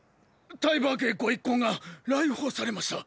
タイバー家御一行が来訪されました！！